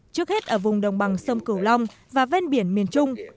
trước hết ở vùng đồng bằng sông cửu long và ven biển miền trung